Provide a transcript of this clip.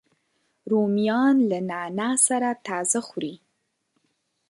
رومیان له نعناع سره تازه خوري